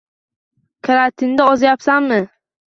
- Karantinda ozyapsanmi?